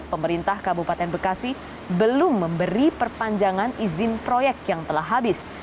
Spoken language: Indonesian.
pemerintah kabupaten bekasi belum memberi perpanjangan izin proyek yang telah habis